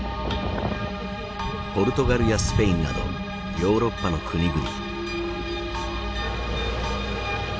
ポルトガルやスペインなどヨーロッパの国々。